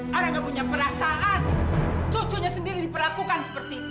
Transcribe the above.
karena kamu punya perasaan cucunya sendiri diperlakukan seperti itu